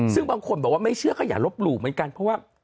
ซึ่งบางคนบอกว่าไม่เชื่อก็อย่าลบหลู่เหมือนกันเพราะว่า